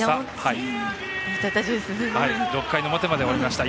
６回の表まで終わりました。